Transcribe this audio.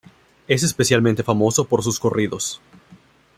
Es especialmente famoso por sus corridos.